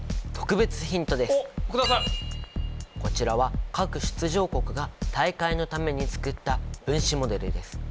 こちらは各出場国が大会のために作った分子モデルです。